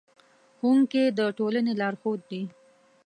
ښوونکي د ټولنې لارښود دي.